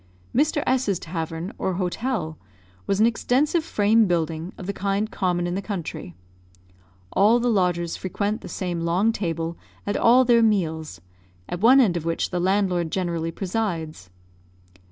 Mr. S 's tavern, or hotel, was an extensive frame building of the kind common in the country. All the lodgers frequent the same long table at all their meals, at one end of which the landlord generally presides.